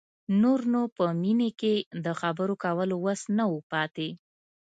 نور نو په مينې کې د خبرو کولو وس نه و پاتې.